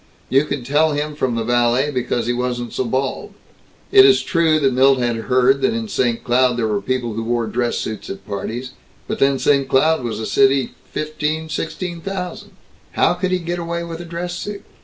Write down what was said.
You could tell him from the valet because he wasn't so bald. It is true that Milt had heard that in St. Cloud there were people who wore dress suits at parties, but then St. Cloud was a city, fifteen or sixteen thousand. "How could he get away with a dress suit?